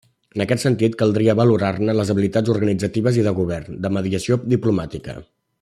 En aquest sentit, caldria valorar-ne les habilitats organitzatives i de govern, de mediació diplomàtica.